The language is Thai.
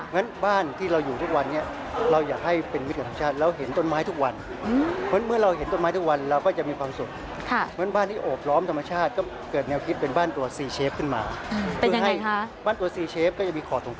งั้นบ้านที่เราอยู่ทุกวันเนี่ยเราอยากให้เป็นมิตรกับธรรมชาติแล้วเห็นต้นไม้ทุกวันเหมือนเราเห็นต้นไม้ทุกวันเราก็จะมีความสุข